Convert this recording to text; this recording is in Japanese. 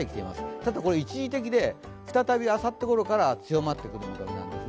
ただ、一時的で、再びあさってごろから強まってくる見込みです。